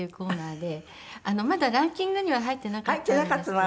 まだランキングには入っていなかったんですけれども。